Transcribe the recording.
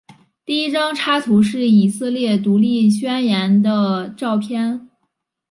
第一张插图是以色列独立宣言的照片。